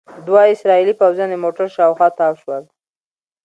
دوه اسرائیلي پوځیان د موټر شاوخوا تاو شول.